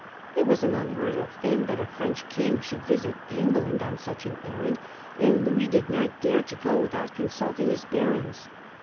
It was an unheard of thing that a French king should visit England on such an errand, and Louis did not dare to go without consulting his barons.